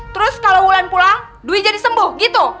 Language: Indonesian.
terus kalau wulan pulang dwi jadi sembuh gitu